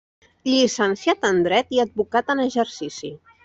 Llicenciat en dret i advocat en exercici.